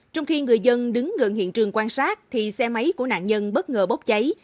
trong khi người dân đứng gần hiện trường quan sát thì xe máy của nạn nhân bất ngờ bốc cháy